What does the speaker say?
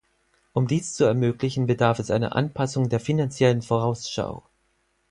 Um dies zu ermöglichen, bedarf es einer Anpassung der Finanziellen Vorausschau.